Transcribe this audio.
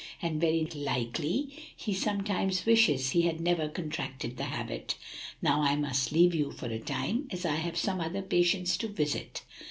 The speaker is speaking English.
"And very likely he sometimes wishes he had never contracted the habit. Now I must leave you for a time, as I have some other patients to visit."